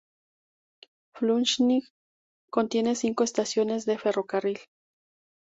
Flushing contiene cinco estaciones de ferrocarril.